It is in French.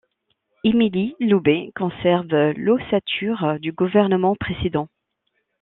Émile Loubet conserve l'ossature du gouvernement précédent.